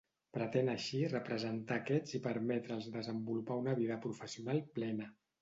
Pretén així representar aquests i permetre'ls desenvolupar una vida professional plena.